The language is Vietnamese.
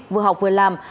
vừa học vừa làm